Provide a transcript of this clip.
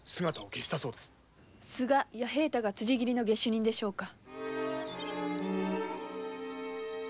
須賀弥平太がつじ切りの下手人でしょうか。